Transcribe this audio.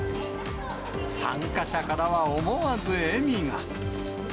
参加者からは思わず笑みが。